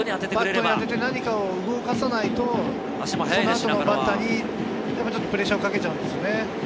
バットに当てて何かを動かさないと、そのあとのバッターにプレッシャーをかけちゃうんですね。